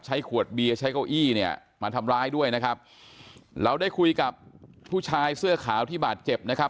ขวดเบียร์ใช้เก้าอี้เนี่ยมาทำร้ายด้วยนะครับเราได้คุยกับผู้ชายเสื้อขาวที่บาดเจ็บนะครับ